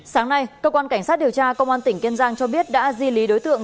sáng nay cơ quan cảnh sát điều tra công an tỉnh kiên giang cho biết đã di lý đối tượng